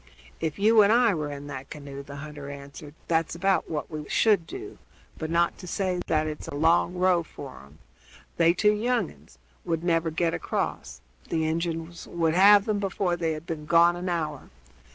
"If you and I were in that canoe," the hunter answered, "that's about what we should do; but, not to say that it's a long row for 'em, they two young uns would never get across; the Injuns would have 'em before they had been gone an hour.